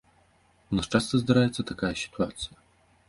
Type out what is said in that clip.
У нас часта здараецца такая сітуацыя.